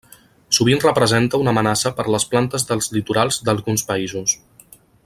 Sovint representa una amenaça per les plantes dels litorals d'alguns països.